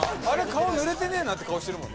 顔ぬれてねえな」って顔してるもんね。